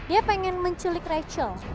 dia pengen menculik rachel